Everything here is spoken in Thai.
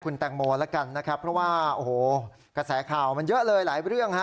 คุณแตงโมแล้วกันนะครับเพราะว่าโอ้โหกระแสข่าวมันเยอะเลยหลายเรื่องฮะ